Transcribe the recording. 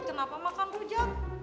kenapa makan rujak